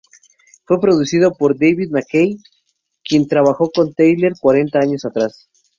Fue producido por David Mackay, quien trabajó con Tyler cuarenta años atrás.